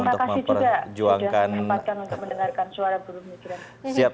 untuk mendengarkan suara burung migran